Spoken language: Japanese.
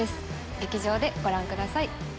劇場でご覧ください。